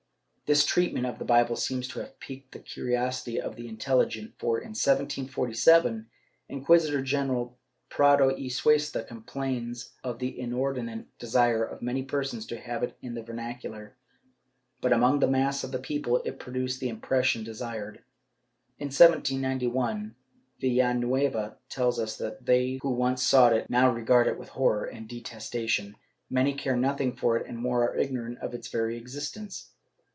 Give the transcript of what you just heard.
* This treatment of the Bible seems to have piqued the curiosity of the intelligent for, in 1747, Inquisitor general Prado y Cuesta complains of the inordinate desire of many persons to have it in the vernacular, but, among the mass of the people it produced the impression desired. In 1791, Villanueva tells us that they, who once sought it, now regard it with horror and detestation; many care nothing for it and more are ignorant of its very exist ence.